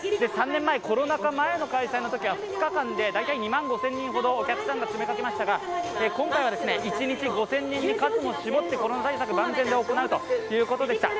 ３年前、コロナ禍前の開催のときは２日で２万５０００人ほどのお客さんが来ましたが今回は一日５０００人に数も絞ってコロナ対策万全で行うということでした。